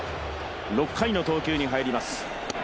６回の投球に入ります。